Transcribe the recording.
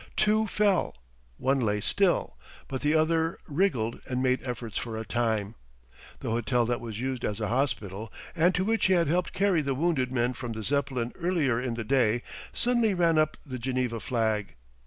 Two fell. One lay still, but the other wriggled and made efforts for a time. The hotel that was used as a hospital, and to which he had helped carry the wounded men from the Zeppelin earlier in the day, suddenly ran up the Geneva flag.